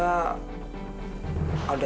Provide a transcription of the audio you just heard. tapi ya memang alda